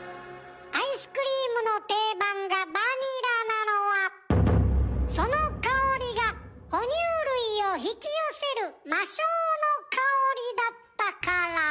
アイスクリームの定番がバニラなのはその香りが哺乳類を引き寄せる魔性の香りだったから。